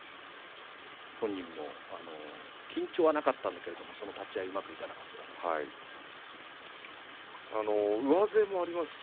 本人も緊張はなかったんですけれども立ち合いがうまくいかなかったと話していました。